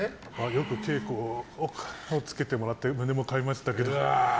よく稽古をつけてもらってもらいましたけど。